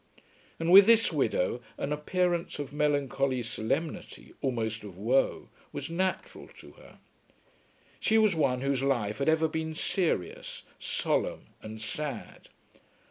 And with this widow an appearance of melancholy solemnity, almost of woe, was natural to her. She was one whose life had ever been serious, solemn, and sad.